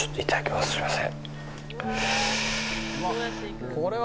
すいません。